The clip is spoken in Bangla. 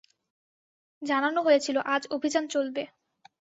জানানো হয়েছিল, আজ অভিযান চলবে।